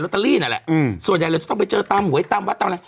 นน่ะแหละอืมส่วนใหญ่เลยที่ต้องไปเจอตำหวยตามวัดตามอะไร